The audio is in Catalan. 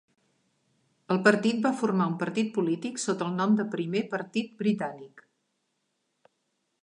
El partit va formar un partit polític sota el nom de Primer Partit Britànic.